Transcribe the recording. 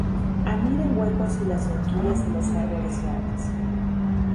Anida en huecos y las horquillas de los árboles grandes.